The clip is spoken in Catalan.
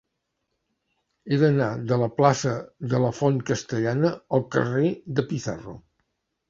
He d'anar de la plaça de la Font Castellana al carrer de Pizarro.